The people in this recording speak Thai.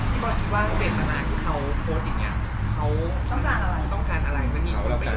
พี่บอลคิดว่าเป็นประมาณที่เขาโพสต์อย่างเงี้ยเขาต้องการอะไร